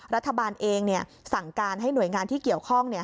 รัฐบาลเองสั่งการให้หน่วยงานที่เกี่ยวข้อง